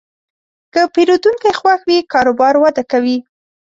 که پیرودونکی خوښ وي، کاروبار وده کوي.